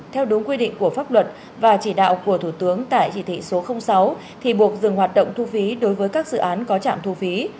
theo đúng quy định của pháp luật và chỉ đạo của thủ tướng tại chỉ thị số sáu thì buộc dừng hoạt động thu phí đối với các dự án có trạm thu phí